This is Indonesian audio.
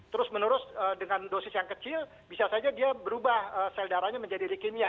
terus menerus dengan dosis yang kecil bisa saja dia berubah sel darahnya menjadi leukemia